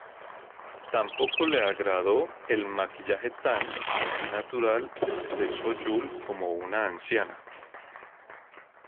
Tampoco le agradó el "maquillaje tan" antinatural de So-yul como una anciana.